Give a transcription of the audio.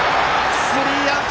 スリーアウト！